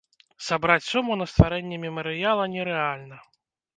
Сабраць суму на стварэнне мемарыяла нерэальна.